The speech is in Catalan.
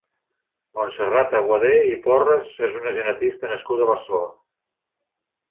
Montserrat Aguadé i Porres és una genetista nascuda a Barcelona.